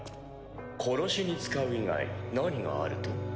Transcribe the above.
殺しに使う以外何があると？